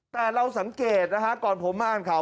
แต่เราสังเกตนะฮะก่อนผมมาอ่านข่าว